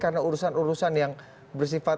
karena urusan urusan yang bersifat